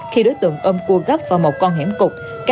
khi đối tượng ôm cua gấp vào một con hẻm cục